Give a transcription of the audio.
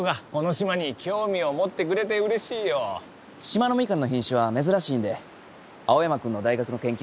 島のみかんの品種は珍しいんで青山君の大学の研究に役立つそうです。